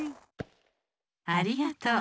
ありがとう！